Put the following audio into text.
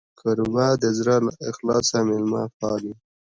کوربه د زړه له اخلاصه میلمه پالي.